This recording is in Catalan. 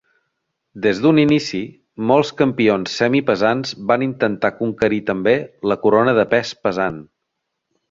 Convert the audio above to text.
Des d'un inici, molts campions semipesants van intentar conquerir també la corona de pes pesant.